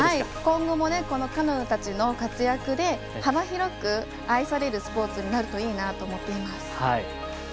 今後も彼女たちの活躍で幅広く愛されるスポーツになるといいなと思っています。